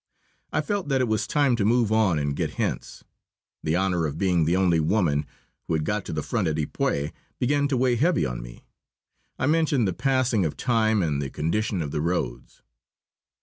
I felt that it was time to move on and get hence. The honour of being the only woman who had got to the front at Ypres began to weigh heavy on me. I mentioned the passing of time and the condition of the roads.